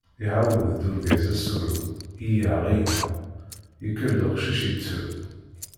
Iɛawed-d urgaz asuɣu: iyyaɣ, iyyaɣ, yekker-d uqcic, yettru.